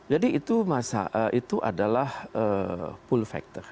jadi itu adalah pull factor